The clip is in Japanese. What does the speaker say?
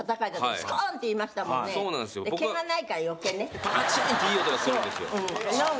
パチーンっていい音がするんですよ。